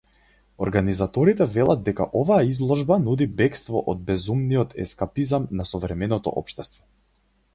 Организаторите велат дека оваа изложба нуди бегство од безумниот ескапизам на современото општество.